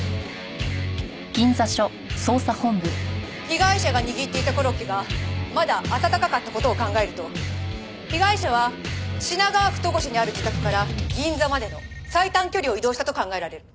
被害者が握っていたコロッケがまだ温かかった事を考えると被害者は品川区戸越にある自宅から銀座までの最短距離を移動したと考えられる。